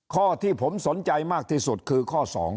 ข้อที่ผมสนใจมากที่สุดคือข้อ๒